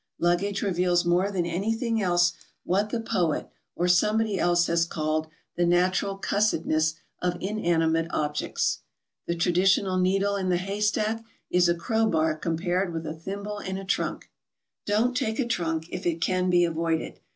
Luggage reveals more than anything else what the poet or somebody else has called the "natural cussedness of inanimate ob 2i8 GOING ABROAD? jects." The traditional needle in the hay stack is a crowbar compared with a thimble in a trunk. Don't take a trunk if it can be avoided.